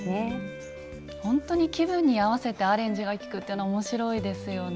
ほんとに気分に合わせてアレンジが利くっていうの面白いですよね。